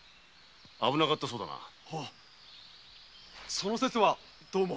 その節はどうも。